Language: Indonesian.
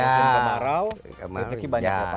kalau musim kemarau kemarau ya